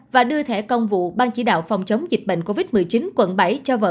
và đưa thẻ công vụ ban chỉ đạo phòng chống dịch bệnh covid một mươi chín quận bảy cho vợ